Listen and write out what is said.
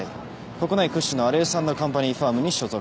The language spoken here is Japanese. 国内屈指のアレース＆カンパニーファームに所属。